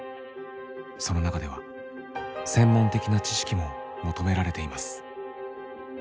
その中では専門的な知識も求められています。